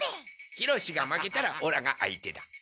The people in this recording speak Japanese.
ひろしが負けたらオラが相手だ。